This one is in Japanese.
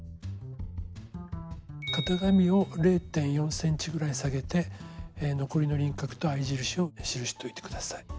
型紙を０．４ｃｍぐらい下げて残りの輪郭と合い印をしるしといて下さい。